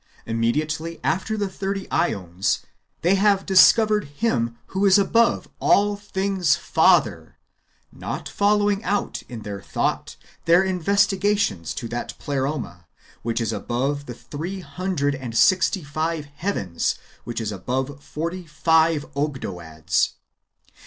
immediately after the thirty ^ons, they have discovered Him who is above all things Father, not following out in thought their investigations to that Pleroma which is above the three hundred and sixty five heavens, which ^ is above forty five Ogdoads.